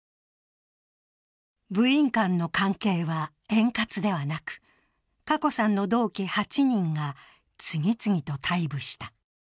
部員間の関係は円滑ではなく華子さんの同期８人が次々と退部した。